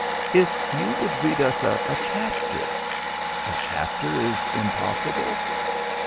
"If you would read us a chapter.... A chapter is impossible?"...